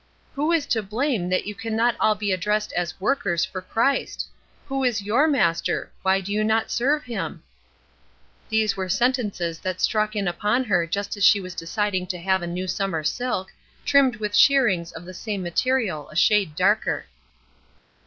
"Who is to blame that you can not all be addressed as workers for Christ? Who is your Master? Why do you not serve him?" These were sentences that struck in upon her just as she was deciding to have a new summer silk, trimmed with shirrings of the same material a shade darker.